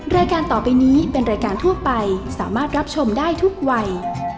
รายการต่อไปนี้เป็นรายการทั่วไปสามารถรับชมได้ทุกวัย